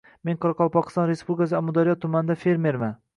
Men Qoraqalpog'iston Respublikasi Amudaryo tumanida fermerman